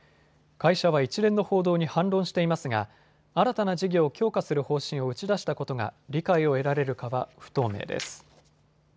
会社は一連の報道に反論していますが新たな事業を強化する方針を打ち出したことが理解を得られるかは不透明です。